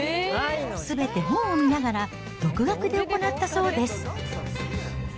すべて本を見ながら独学で行ったそうです。